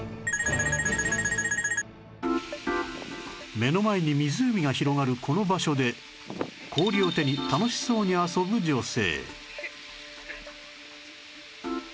目の前に湖が広がるこの場所で氷を手に楽しそうに遊ぶ女性